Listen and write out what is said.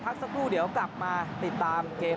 สักครู่เดี๋ยวกลับมาติดตามเกม